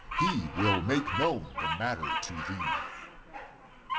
He will make known the matter to thee.'